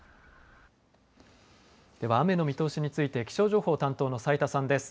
では、雨の見通しについて気象情報担当の斉田さんです。